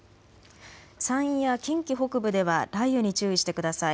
山陰や近畿北部では雷雨に注意してください。